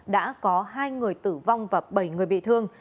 đã có hai người tử vong và bảy người bị thương